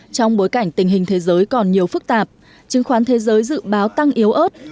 trong bối cảnh tình hình thế giới còn nhiều phức tạp chứng khoán thế giới dự báo tăng yếu ớt